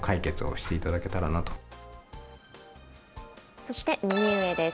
そして右上です。